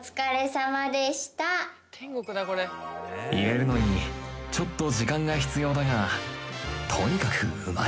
入れるのにちょっと時間が必要だがとにかくうまい